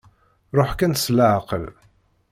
Ṛuḥ kan s leɛqel.